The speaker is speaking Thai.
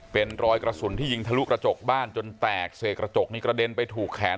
เป็นรอยกระสุนที่ยิงทะลุกระจกบ้านจนแตกเสกกระจกนี่กระเด็นไปถูกแขน